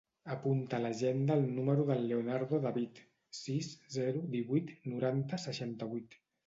Apunta a l'agenda el número del Leonardo David: sis, zero, divuit, noranta, seixanta-vuit.